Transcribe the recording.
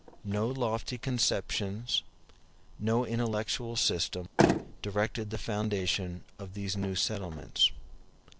*c No lofty conceptions, no intellectual system, directed the foundation of these new settlements.